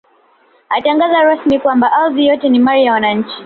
Alitangaza rasmi kwamba ardhi yote ni mali ya wananchi